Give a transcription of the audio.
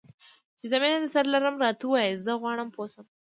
چې زه مینه درسره لرم؟ راته ووایه، زه غواړم پوه شم.